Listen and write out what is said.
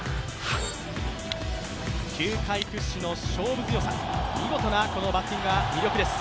球界屈指の勝負強さ、見事なバッティングが魅力です。